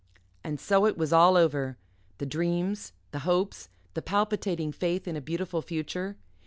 And so it was all over the dreams, the hopes, the palpitating faith in a beautiful future.